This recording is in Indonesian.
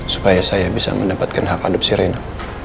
supaya saya bisa mendapatkan hak hadap si rena